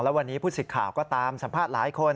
วันนี้ผู้สิทธิ์ข่าวก็ตามสัมภาษณ์หลายคน